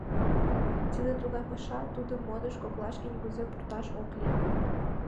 — Тиде тугай паша, тудым модыш коклашке нигузе пурташ ок лий...